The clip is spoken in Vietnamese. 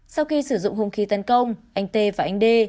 sau khi sử dụng hung khí tấn công anh t và anh đê